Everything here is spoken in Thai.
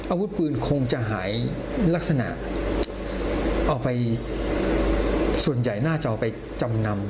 อาวุธปืนคงจะหายลักษณะเอาไปส่วนใหญ่น่าจะเอาไปจำนำ